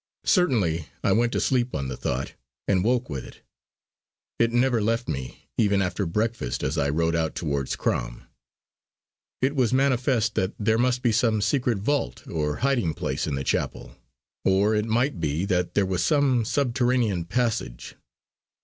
Certainly I went to sleep on the thought, and woke with it. It never left me even after breakfast as I rode out towards Crom. It was manifest that there must be some secret vault or hiding place in the chapel; or it might be that there was some subterranean passage.